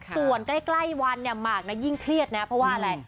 ส่วนใกล้วันเนี่ยหมากยิ่งเครียดนะเพราะว่าอะไร